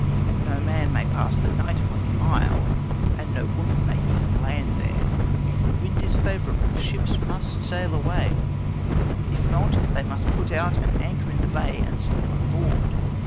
No man may pass the night upon the isle, and no woman may even land there. If the wind is favourable, ships must sail away; if not, they must put out and anchor in the bay and sleep on board.